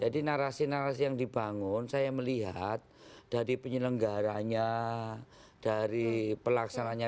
jadi narasi narasi yang dibangun saya melihat dari penyelenggaranya dari pelaksananya